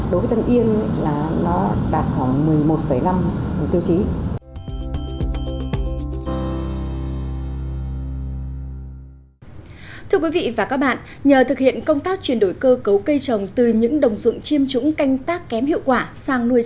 đối với tân yên là nó đạt khoảng một mươi một năm